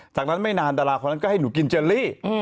จากนั้นไม่นานดาราคนนั้นก็ให้หนูกินเจลลี่